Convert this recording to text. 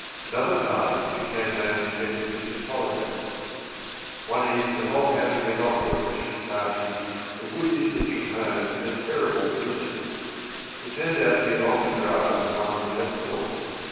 Another time, she came home to spend the Christmas holidays. One evening the whole family went off to a Christmas party a good distance from home in a terrible blizzard. It turned out to be a longer drive than one would have thought.